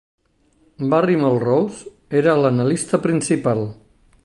Barry Melrose era l'analista principal.